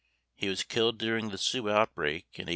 He was killed during the Sioux outbreak in 1890.